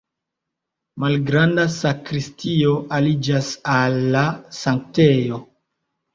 Malgranda sakristio aliĝas al la sanktejo.